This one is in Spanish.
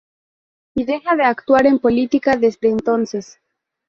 Y deja de actuar en política desde entonces.